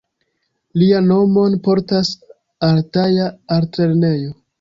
Lian nomon portas altaja altlernejo.